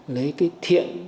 lấy cái thiện